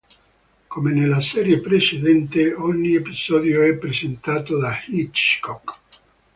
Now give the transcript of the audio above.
Come nella serie precedente, ogni episodio è presentato da Hitchcock.